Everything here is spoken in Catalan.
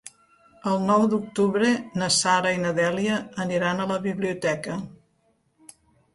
El nou d'octubre na Sara i na Dèlia aniran a la biblioteca.